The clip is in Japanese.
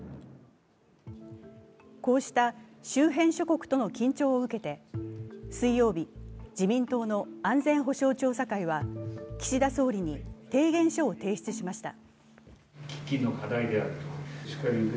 こうした周辺諸国との緊張を受けて水曜日、自民党の安全保障調査会は岸田総理に提言書を提出しました。